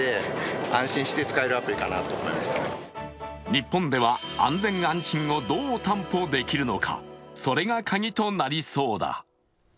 日本では安全・安心をどう担保できるのかそれがカギとなりそうだ。